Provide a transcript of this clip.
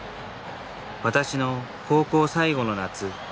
私の高校最後の夏。